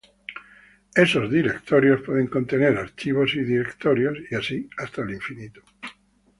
Esos directorios pueden contener archivos y directorios y así sucesivamente.